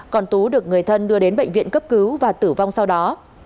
còn tú được người thân đưa đến bệnh viện cấp cứu và tử vong sau đó